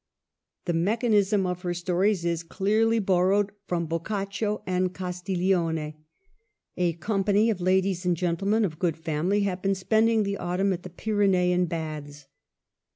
The mechanism of her stories is clearly bor rowed from Boccaccio and Castiglione. A com pany of ladies and gentlemen of good family have been spending the autumn at the Pyre nean baths.